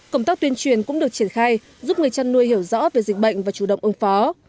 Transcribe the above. công tác tuyên truyền cũng được triển khai giúp người chăn nuôi hiểu rõ về dịch bệnh và chủ động ứng phó